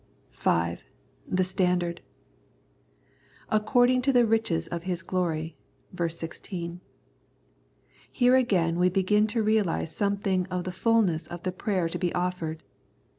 5. The Standard. " According to the riches of His glory " (ver. 16). Here again we begin to realise something of the fulness of the prayer to be offered.